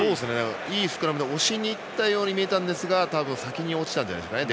いいスクラムで押しに行ったように見えますが多分先に落ちたんじゃないですかね。